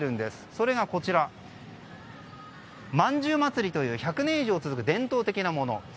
それが、こちらまんじゅう祭りという１００年以上続く伝統的なもの。